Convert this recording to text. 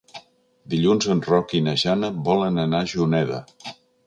Dilluns en Roc i na Jana volen anar a Juneda.